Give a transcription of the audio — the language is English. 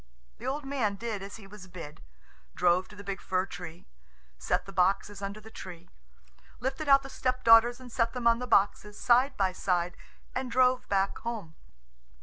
The old man did as he was bid drove to the big fir tree, set the boxes under the tree, lifted out the stepdaughters and set them on the boxes side by side, and drove back home.